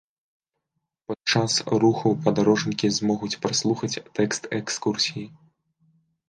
Падчас руху падарожнікі змогуць праслухаць тэкст экскурсіі.